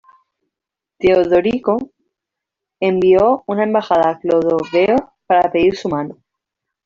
Teodorico envió una embajada a Clodoveo para pedir su mano.